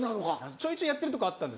ちょいちょいやってるとこあったんですけど。